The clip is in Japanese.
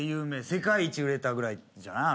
世界一売れたぐらいじゃない？